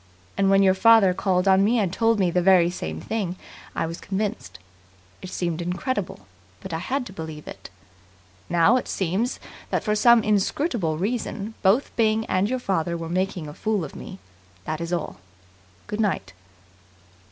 And when your father called on me and told me the very same thing I was convinced. It seemed incredible, but I had to believe it. Now it seems that, for some inscrutable reason, both Byng and your father were making a fool of me. That's all. Good night."